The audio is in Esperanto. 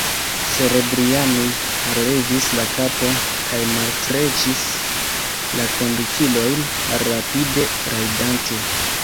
Serebrjanij mallevis la kapon kaj malstreĉis la kondukilojn, malrapide rajdante.